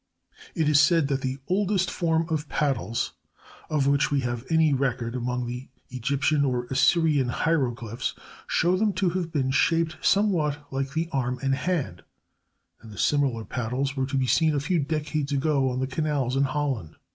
It is said that the oldest forms of paddles of which we have any record among the Egyptian or Assyrian hieroglyphs show them to have been shaped somewhat like the arm and hand, and that similar paddles were to be seen a few decades ago on the canals in Holland.